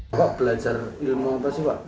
pak belajar ilmu apa sih pak